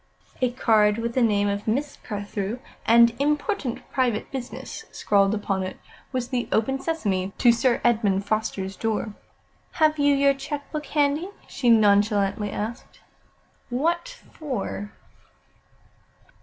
A card with the name of Miss Carthew, and "Important private business" scrawled upon it, was the "Open, sesame!" to Sir Edmund Foster's door. "Have you your cheque book handy?" she nonchalantly asked. "What for?"